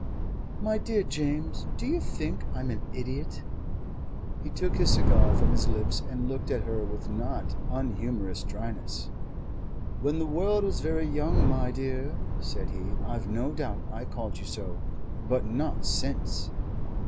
"My dear James, do you think I'm an idiot?" He took his cigar from his lips and looked at her with not unhumorous dryness. "When the world was very young, my dear," said he, "I've no doubt I called you so. But not since."